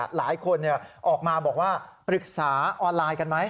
หลายคนออกมาบอกว่าปรึกษาออนไลน์กันไหม